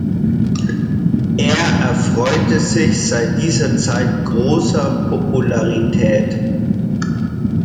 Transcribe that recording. Er erfreute sich seit dieser Zeit großer Popularität.